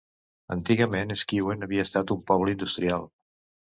Antigament, Skewen havia estat un poble industrial.